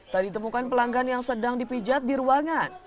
tadi temukan pelanggan yang sedang dipijat di ruangan